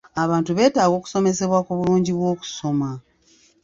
Abantu beetaga okusomesebwa ku bulungi bw'okusoma.